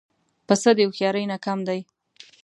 پسه د هوښیارۍ نه کم دی.